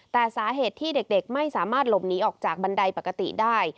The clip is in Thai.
แต่สาเหตุที่เด็กไม่สามารถหลบหนีออกจากบันไดปกติได้